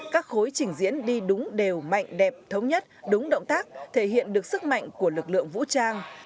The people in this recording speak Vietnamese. các khối trình diễn đi đúng đều mạnh đẹp thống nhất đúng động tác thể hiện được sức mạnh của lực lượng vũ trang